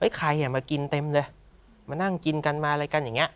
ใครมากินเต็มเลยมานั่งกินกันมาอะไรกันอย่างนี้